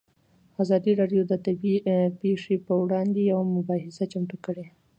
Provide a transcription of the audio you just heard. ازادي راډیو د طبیعي پېښې پر وړاندې یوه مباحثه چمتو کړې.